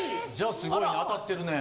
すごいね当たってるね。